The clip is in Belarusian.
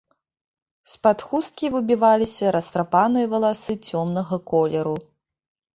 З-пад хусткі выбіваліся растрапаныя валасы цёмнага колеру.